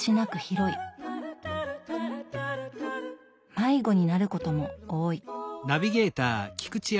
迷子になることも多い。